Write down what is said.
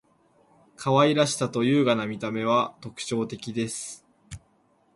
可愛らしさと優雅な見た目は特徴的です．